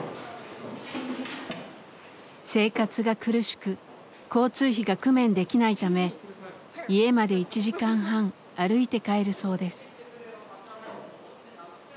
生活が苦しく交通費が工面できないため家まで１時間半歩いて帰るそうです。